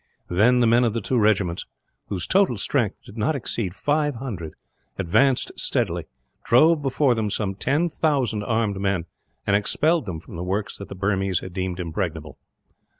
Then the men of the two regiments whose total strength did not exceed five hundred advanced steadily, drove before them some 10,000 armed men, and expelled them from the works that the Burmese had deemed impregnable.